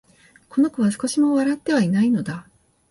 この子は、少しも笑ってはいないのだ